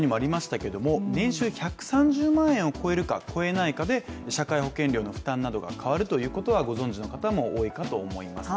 年収１３０万円を超えるか超えないかで社会保険料の負担などが変わるということはご存じの方もお多いかと思います。